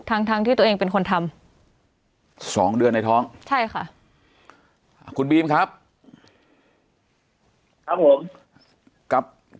ทั้งทั้งที่ตัวเองเป็นคนทำสองเดือนในท้องใช่ค่ะคุณบีมครับครับผมกับ